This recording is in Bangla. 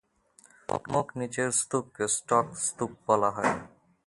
মুখ নিচের স্তূপকে স্টক স্তূপ বলা হয়।